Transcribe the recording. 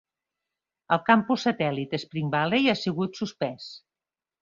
El campus satèl·lit Spring Valley ha sigut suspès.